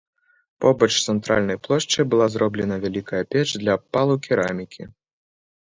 Побач з цэнтральнай плошчай была зроблена вялікая печ для абпалу керамікі.